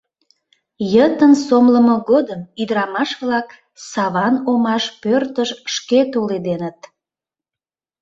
Йытын сомлымо годым ӱдырамаш-влак Саван омаш пӧртыш шке толеденыт.